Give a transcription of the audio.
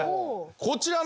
こちらの。